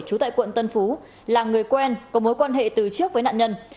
trú tại quận tân phú là người quen có mối quan hệ từ trước với nạn nhân